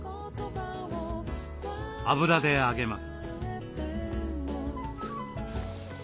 油で揚げます。